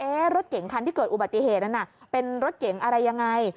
รถเก่งคันที่เกิดอุบัติเหตุนั้นน่ะเป็นรถเก๋งอะไรยังไง